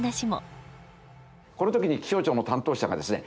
この時に気象庁の担当者がですね